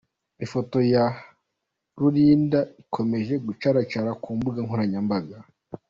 Ifoto ya Rurinda ikomeje gucaracara ku mbuga nkoranya mbaga.